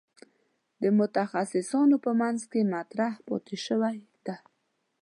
د متخصصانو په منځ کې مطرح پاتې شوې ده.